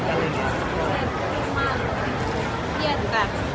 ช่องความหล่อของพี่ต้องการอันนี้นะครับ